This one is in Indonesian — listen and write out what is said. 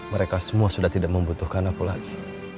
mereka semua sudah tidak membutuhkan apa lagi